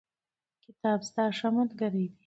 کتاب ستا ښه ملګری دی.